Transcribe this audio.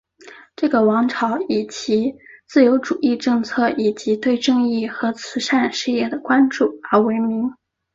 这个王朝以其自由主义政策以及对正义和慈善事业的关注而闻名。